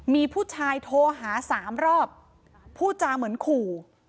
มีผู้ชายโทรหา๓รอบพูดจาเหมือนขู่